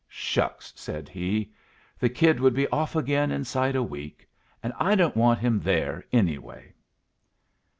"Shucks!" said he. "The kid would be off again inside a week. And I don't want him there, anyway."